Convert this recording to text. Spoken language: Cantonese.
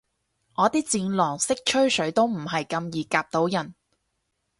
我啲戰狼式吹水都唔係咁易夾到人